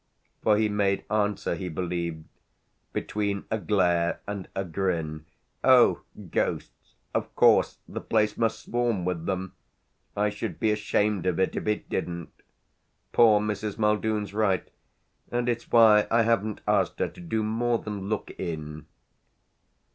For he made answer, he believed, between a glare and a grin: "Oh ghosts of course the place must swarm with them! I should be ashamed of it if it didn't. Poor Mrs. Muldoon's right, and it's why I haven't asked her to do more than look in."